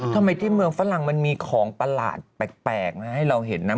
ทำไมที่เมืองฝรั่งมันมีของประหลาดแปลกนะให้เราเห็นนะ